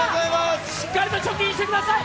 しっかりと貯金してください。